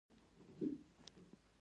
ډېر وزیران دومره پیسې نه لري.